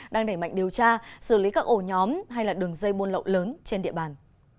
đang đẩy mạnh điều tra xử lý các ổ nhóm hay đường dây buôn lậu lớn trên địa bàn